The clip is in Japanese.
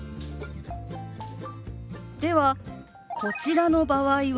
ではこちらの場合は？